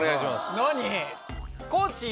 何？